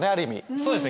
そうですね